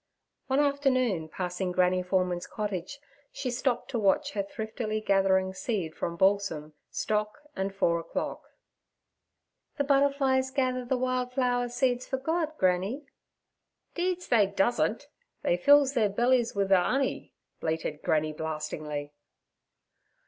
One afternoon passing Granny Foreman's cottage, she stopped to watch her thriftily gathering seed from balsam, stock and four o'clock. 'The butterflies gather the wild flower seeds for God, Granny.' "Deed they doesn't. They fills their bellies wi' ther 'oney' bleated Granny blastingly.